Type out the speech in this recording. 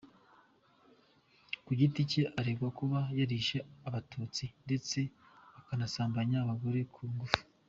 Ku giti cye aregwa kuba yarishe abatutsi ndetse akanasambanya abagore ku ngufu.